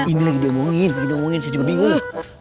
ini lagi dia omongin dia omongin saya juga bingung